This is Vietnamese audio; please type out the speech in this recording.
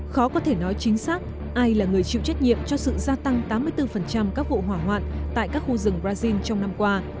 khó có thể nói chính xác ai là người chịu trách nhiệm cho sự gia tăng tám mươi bốn các vụ hỏa hoạn tại các khu rừng brazil trong năm qua